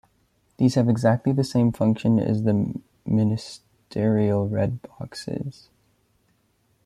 These have exactly the same function as the ministerial red boxes.